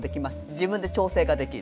自分で調整ができる。